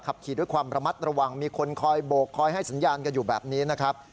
ขับขี่ด้วยความระมัดระวังมีคนคอยโบกคอยให้สัญญาณกันอยู่แบบนี้นะครับ